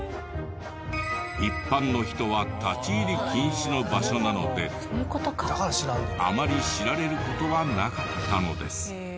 一般の人は立ち入り禁止の場所なのであまり知られる事はなかったのです。